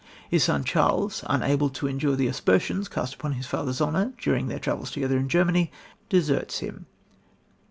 His son, Charles, unable to endure the aspersions cast upon his father's honour during their travels together in Germany, deserts him.